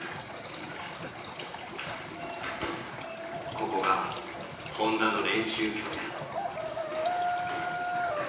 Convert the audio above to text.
ここが本多の練習拠点。